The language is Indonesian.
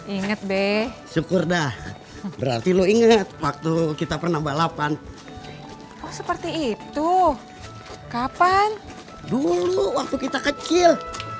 ingat deh syukur dah berarti lo inget waktu kita pernah balapan oh seperti itu kapan dulu waktu kita kecil